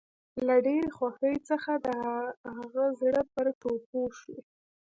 له ډېرې خوښۍ څخه د هغه زړه پر ټوپو شو